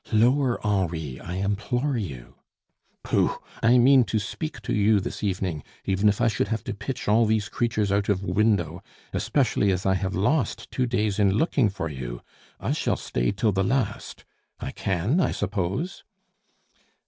"Lower, Henri, I implore you " "Pooh! I mean to speak to you this evening, even if I should have to pitch all these creatures out of window, especially as I have lost two days in looking for you. I shall stay till the last. I can, I suppose?"